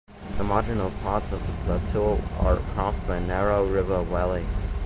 The marginal parts of the plateau are carved by narrow river valleys.